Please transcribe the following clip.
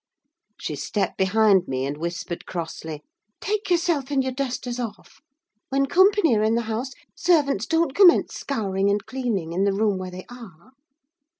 She stepped behind me and whispered crossly, "Take yourself and your dusters off; when company are in the house, servants don't commence scouring and cleaning in the room where they are!"